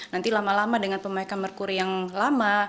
nanti lama lama dengan pemakaian merkuri yang lama